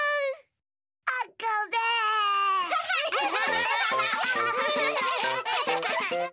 アハハハッ！